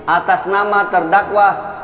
atas nama terdakwah